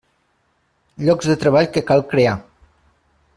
Llocs de treball que cal crear.